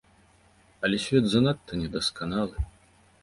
Але свет занадта недасканалы.